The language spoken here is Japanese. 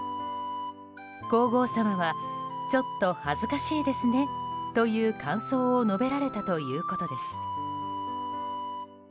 皇后さまはちょっと恥ずかしいですねという感想を述べられたということです。